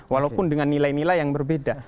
walaupun dengan nilai nilai yang berbeda